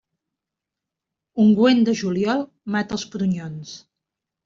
Ungüent de juliol, mata els prunyons.